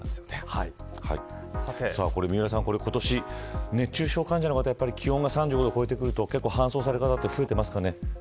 三浦さん、今年、熱中症患者の方気温が３５度を超えてくると搬送される方増えていますかね。